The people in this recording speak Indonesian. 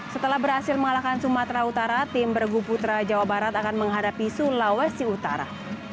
setelah berhasil mengalahkan sumatera utara tim bergu putra jawa barat akan menghadapi sulawesi utara